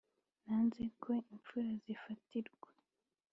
nanze ko imfura zifatirwa